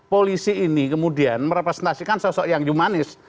polisi ini kemudian merepresentasikan sosok yang humanis